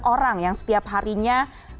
orang yang setiap harinya